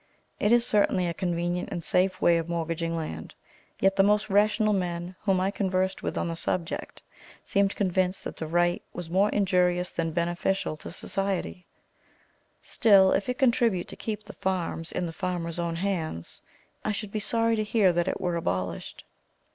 It is certainly a convenient and safe way of mortgaging land; yet the most rational men whom I conversed with on the subject seemed convinced that the right was more injurious than beneficial to society; still if it contribute to keep the farms in the farmers' own hands, I should be sorry to hear that it were abolished.